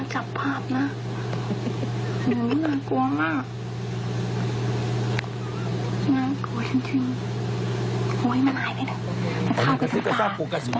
ไหนคลิป